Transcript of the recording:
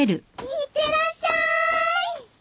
いってらっしゃい！